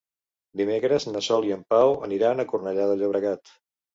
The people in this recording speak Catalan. Dimecres na Sol i en Pau aniran a Cornellà de Llobregat.